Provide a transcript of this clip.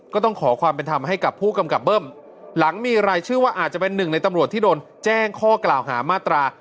ก็ต้องขอความเป็นธรรมให้กับผู้กำกับเบิ้มหลังมีรายชื่อว่าอาจจะเป็นหนึ่งในตำรวจที่โดนแจ้งข้อกล่าวหามาตรา